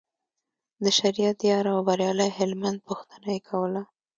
د شریعت یار او بریالي هلمند پوښتنه یې کوله.